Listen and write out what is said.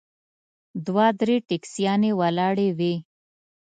دوه درې ټیکسیانې ولاړې وې.